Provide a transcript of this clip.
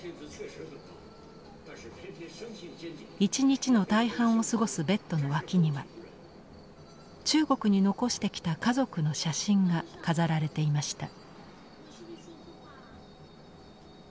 一日の大半を過ごすベッドの脇には中国に残してきた家族の写真が飾られていました。